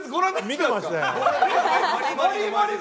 見てましたよ。